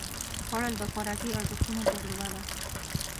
خوړل د خوراکي ارزښتونو تجربه ده